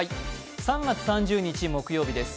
３月３０日木曜日です。